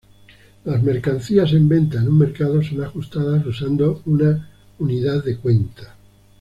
Las mercancías en venta en un mercado son ajustadas usando una unidad de cuenta.